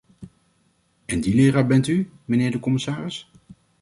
En die leraar bent u, mijnheer de commissaris.